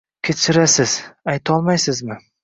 Kechirasiz, aytolmaysizmi?